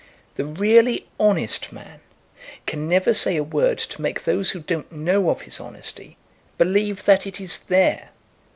The really honest man can never say a word to make those who don't know of his honesty believe that it is there.